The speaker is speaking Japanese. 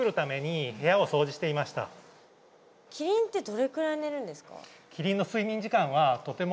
キリンってどれくらい寝るんですか？